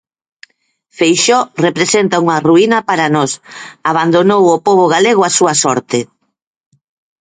Feixóo representa unha ruína para nós, abandonou o pobo galego á súa sorte.